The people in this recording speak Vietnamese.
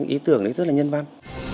ý tưởng đấy rất là nhân văn